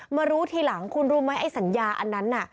มารู้ทีหลังคุณรู้ไหมไอ้สัญญาอันนั้นน่ะ